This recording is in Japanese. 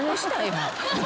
今。